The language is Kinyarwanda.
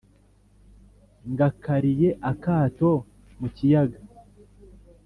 Ngakariye-Akato mu kiyaga.